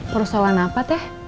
persoalan apa teh